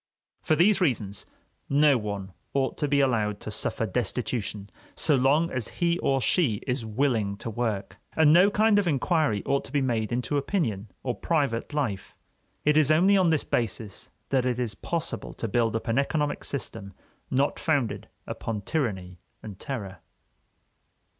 For these reasons, no one ought to be allowed to suffer destitution so long as he or she is willing to work. And no kind of inquiry ought to be made into opinion or private life. It is only on this basis that it is possible to build up an economic system not founded upon tyranny and terror.